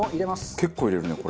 結構入れるねこれ。